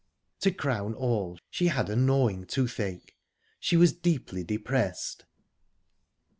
To crown all, she had a gnawing toothache. She was deeply depressed.